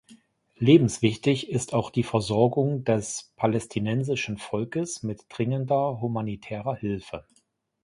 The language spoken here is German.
Lebenswichtig ist auch die Versorgung des palästinensischen Volkes mit dringender humanitärer Hilfe.